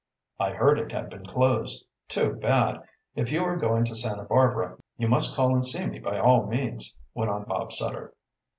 "I heard it had been closed. Too bad! If you are going to Santa Barbara, you must call and see me by all means," went on Bob Sutter.